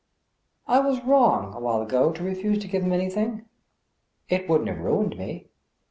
... I was wrong, awhile ago, to refuse to give him anything. It wouldn't have ruined me.